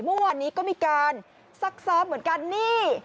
เมื่อวานนี้ก็มีการซักซ้อมเหมือนกันนี่